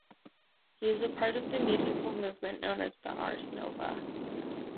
He is a part of the musical movement known as the "ars nova".